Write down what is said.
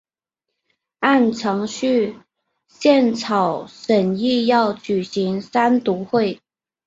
按程序宪草审议要举行三读会。